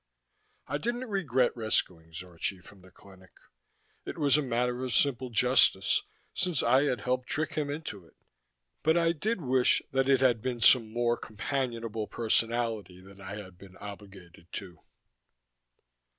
I didn't regret rescuing Zorchi from the clinic it was a matter of simple justice since I had helped trick him into it. But I did wish that it had been some more companionable personality that I had been obligated to.